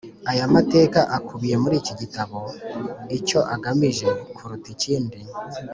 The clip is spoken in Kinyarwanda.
Aya mateka akubiye muri iki gitabo, icyo agamije kuruta ikindi